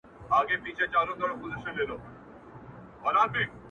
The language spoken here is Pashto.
• و ماته به د دې وطن د کاڼو ضرورت سي،